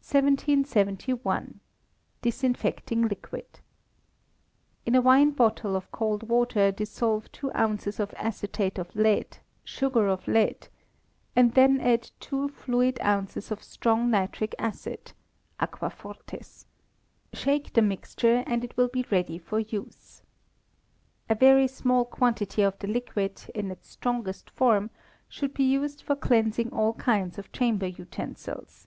1771. Disinfecting Liquid. In a wine bottle of cold water, dissolve two ounces acetate of lead (sugar of lead), and then add two (fluid) ounces of strong nitric acid (aquafortis). Shake the mixture, and it will be ready for use. A very small quantity of the liquid, in its strongest form, should be used for cleansing all kinds of chamber utensils.